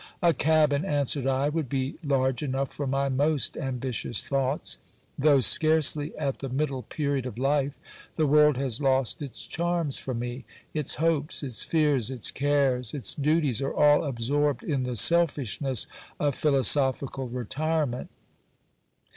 A cabin, answered I, would be large enough for my most ambitious thoughts. Though scarcely at the middle period of life, the world has lost its charms for me ; its hopes, its fears, its cares, its duties, are all absorbed in the selfishness of philosophical retirement.